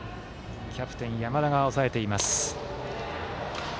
キャプテン、山田が抑えています。